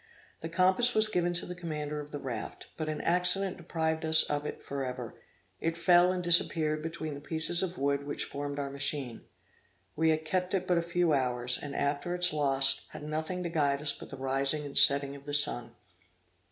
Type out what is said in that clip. The compass was given to the commander of the raft, but an accident deprived us of it forever; it fell and disappeared between the pieces of wood which formed our machine. We had kept it but a few hours, and, after its loss, had nothing to guide us but the rising and setting of the sun.